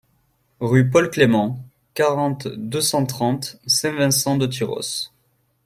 Rue Paul Clément, quarante, deux cent trente Saint-Vincent-de-Tyrosse